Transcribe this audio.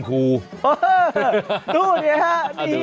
ดูเลยละอ่ะ